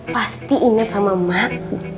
pasti inget sama emak